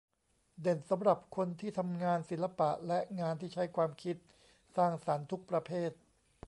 เด่นสำหรับคนที่ทำงานศิลปะและงานที่ใช้ความคิดสร้างสรรค์ทุกประเภท